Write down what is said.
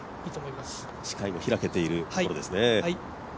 視界も開けているところですね。